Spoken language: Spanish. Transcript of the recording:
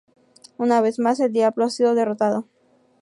Una vez más, el diablo ha sido derrotado.